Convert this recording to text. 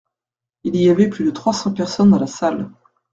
Il y avait plus de trois cents personnes dans la salle.